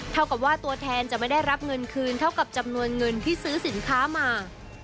เท่ากับว่าตัวแทนจะไม่ได้รับเงินคืนเท่ากับจำนวนเงินที่ซื้อสินค้ามา